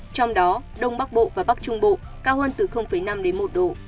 trong đó đông bắc bộ và bắc trung bộ cao hơn từ năm đến một độ